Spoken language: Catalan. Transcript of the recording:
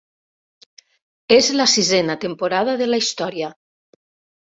És la sisena temporada de la història.